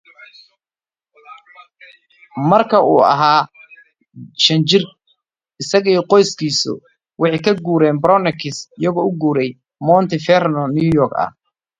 At age five, his family moved from the Bronx to Mount Vernon, New York.